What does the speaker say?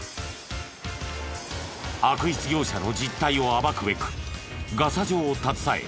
悪質業者の実態を暴くべくガサ状を携え